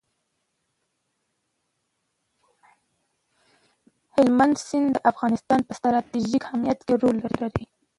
هلمند سیند د افغانستان په ستراتیژیک اهمیت کې رول لري.